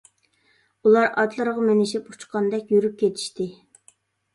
ئۇلار ئاتلىرىغا مىنىشىپ ئۇچقاندەك يۈرۈپ كېتىشتى.